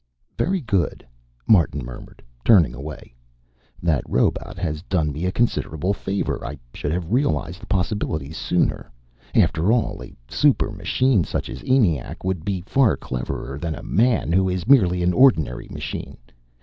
"Very good," Martin murmured, turning away. "That robot has done me a considerable favor. I should have realized the possibilities sooner. After all, a super machine, such as ENIAC, would be far cleverer than a man, who is merely an ordinary machine.